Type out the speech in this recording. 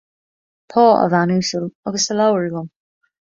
Tá, a bhean uasal, agus tá leabhar agam